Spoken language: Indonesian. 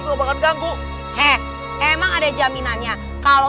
semua ini dimana ya